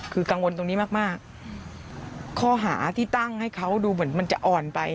คือกังวลตรงนี้มากมากข้อหาที่ตั้งให้เขาดูเหมือนมันจะอ่อนไป